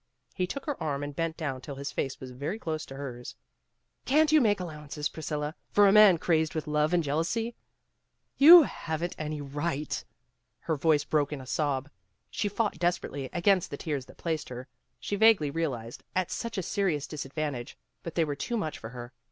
He took her arm and bent down till his face was very close to hers. "Can't you make al AT THE FOOT BALL GAME 209 lowances, Priscilla, for a man crazed with love and jealousy?" 1 1 You haven 't any right '' Her voice broke in a sob. She fought desperately against the tears that placed her, she vaguely realized, at such a serious disadvantage, but they were too much for her.